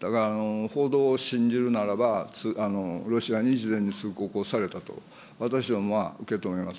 だから、報道を信じるならば、ロシアに事前に通告をされたと、私どもは受け止めます。